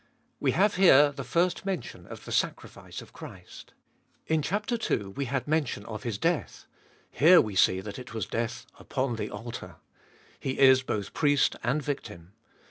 We have here the first mention of the sacrifice of Christ. In chap. ii. we had mention of His death, here we see that it was death upon the altar. He is both Priest and Victim.